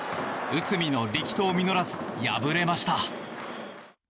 内海の力投実らず敗れました。